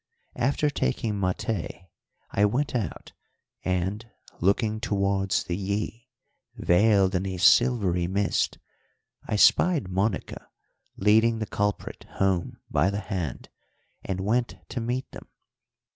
After taking maté I went out, and, looking towards the Yí, veiled in a silvery mist, I spied Monica leading the culprit home by the hand, and went to meet them.